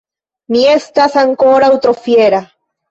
Mi estas ankoraŭ tro fiera!